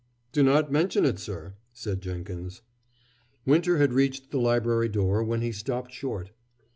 "Do not mention it, sir," said Jenkins. Winter had reached the library door, when he stopped short.